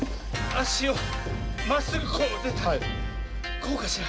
あしをまっすぐこうでこうかしら。